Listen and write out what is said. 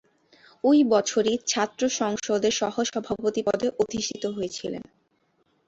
ঐ বছরই ছাত্র সংসদের সহ-সভাপতি পদে অধিষ্ঠিত ছিলেন।